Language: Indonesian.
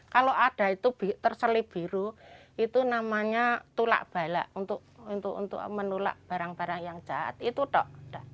kalau ada itu terselip biru itu namanya tulak balak untuk menolak barang barang yang jahat itu tok